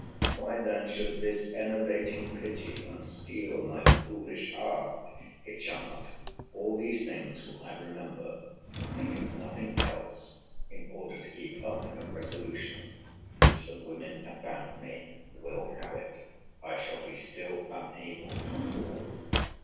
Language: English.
Why then should this enervating pity unsteel my foolish heart? It shall not. All these things will I remember; and think of nothing else, in order to keep up a resolution, which the women about me will have it I shall be still unable to hold.